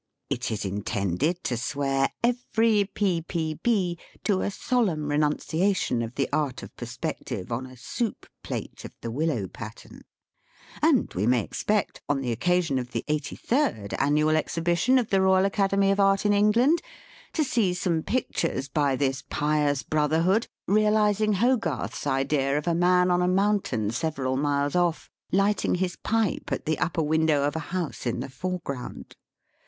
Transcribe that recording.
It is intended to swear every P. P. B. to a solemn renunciation of the art of perspective on a soup plate of the willow pattern ; and we may expect, on the occasion of the eighty third Annual Exhibition of the Eoyal Academy of Art in England, to see some pictures by this pious Brotherhood, realising HOGARTH'S idea of a man on a mountain several miles off', lighting his pipe at the upper window of a house in the foreground.